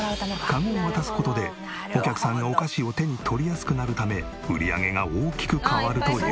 カゴを渡す事でお客さんがお菓子を手に取りやすくなるため売り上げが大きく変わるという。